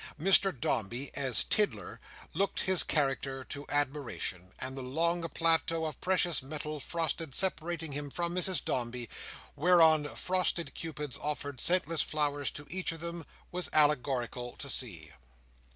Mr Dombey, as Tiddler, looked his character to admiration; and the long plateau of precious metal frosted, separating him from Mrs Dombey, whereon frosted Cupids offered scentless flowers to each of them, was allegorical to see.